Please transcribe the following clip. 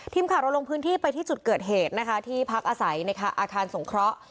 ทีมข่าวเราลงพื้นที่ไปที่จุดเกิดเหตุนะคะที่พักอาศัยในอาคารสงเคราะห์